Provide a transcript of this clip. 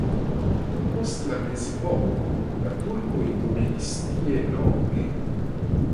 Post la mezepoko la turkoj dominis tie longe.